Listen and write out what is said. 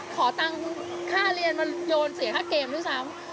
ขอตังค์ค่าเรียนมาโยนเสียค่าเกมด้วยซ้ำ